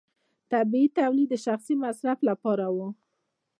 طبیعي تولید د شخصي مصرف لپاره و.